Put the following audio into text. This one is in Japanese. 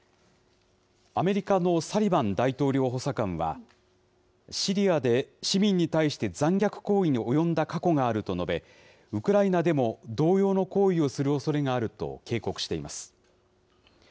アメリカのサリバン大統領補佐官は、シリアで市民に対して残虐行為に及んだ過去があると述べ、ウクライナでも同様の行為をするおそれがあると警告しています。